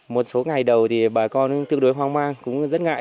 một số ngày đầu thì bà con tương đối hoang mang cũng rất ngại